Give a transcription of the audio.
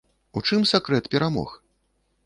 У чым сакрэт перамог?